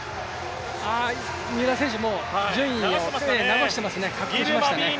三浦選手、流してますね、確定しましたね。